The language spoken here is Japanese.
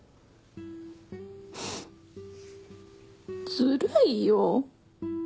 ずるいよ